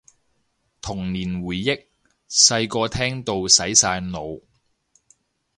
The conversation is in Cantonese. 童年回憶，細個聽到洗晒腦